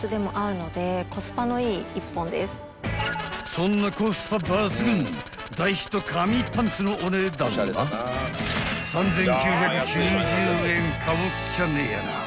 ［そんなコスパ抜群大ヒット神パンツのお値段は３，９９０円買うっきゃねえやな］